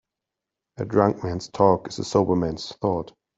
A drunk man's talk is a sober man's thought.